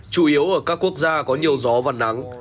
chủ yếu ở các quốc gia có nhiều gió và nắng